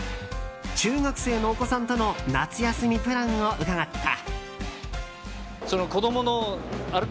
中学生のお子さんとの夏休みプランを伺った。